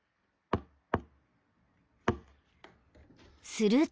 ［すると］